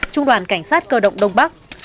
trung đoàn cảnh sát cơ động đông bắc